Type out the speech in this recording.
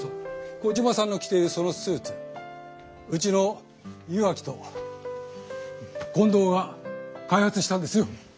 コジマさんの着ているそのスーツうちの岩城と近藤が開発したんですよ。